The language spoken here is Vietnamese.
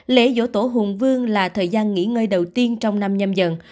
lễ dỗ tổ hùng vương là thời gian nghỉ ngơi đầu tiên trong năm nhâm dần